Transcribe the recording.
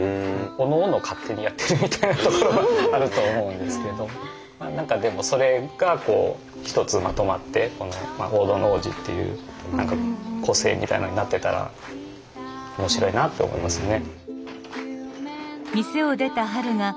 おのおの勝手にやってるみたいなところはあると思うんですけどまあ何かでもそれがこう一つまとまってこの大殿大路っていう何か個性みたいなのになってたら面白いなって思いますね。